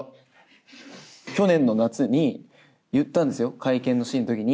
去年の夏に言ったんですよ、会見のシーンのときに。